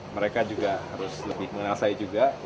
mereka juga harus lebih mengenal saya juga